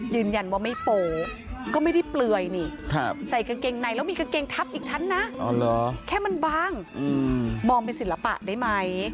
ยืนยันว่าไม่โปก็ไม่ได้เปลือยนี่ใส่กางเกงในแล้วมีกางเกงทับอีกชั้นนะแค่มันบางมองเป็นศิลปะได้ไหม